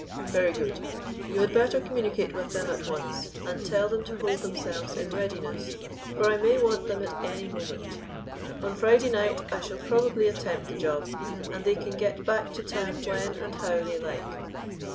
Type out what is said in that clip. "Very good. You had better communicate with them at once, and tell them to hold themselves in readiness for I may want them at any moment. On Friday night I shall probably attempt the job, and they can get back to town when and how they like.